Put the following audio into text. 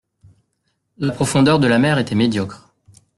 La profondeur de la mer était médiocre.